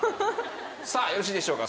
さあよろしいでしょうか。